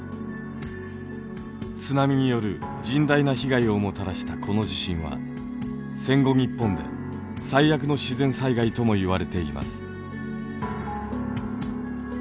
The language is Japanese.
津波による甚大な被害をもたらしたこの地震は戦後日本で最悪の自然災害ともいわれています。